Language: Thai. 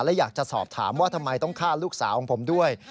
และอยากจะสอบถามว่าทำไมต้องฆ่าลูกสาวของผมด้วย